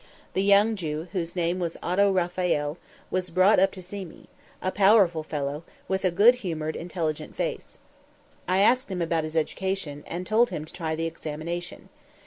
The young Jew, whose name was Otto Raphael, was brought up to see me; a powerful fellow, with a good humored, intelligent face. I asked him about his education, and told him to try the examination.